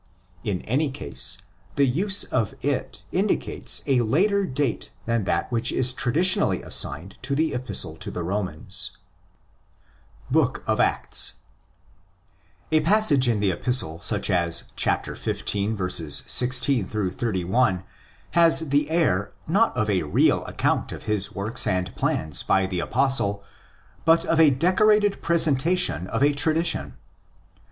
In any case, the use of it indicates a later date than that which is traditionally assigned to the Epistle to the Romans. Books of Acts. A passage in the Epistle such as xv. 16 31 has the air, not of a real account of his work and plans by the Apostle, but of a decorated presentation of a tradition.